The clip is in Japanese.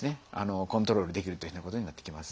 コントロールできるというふうなことになってきます。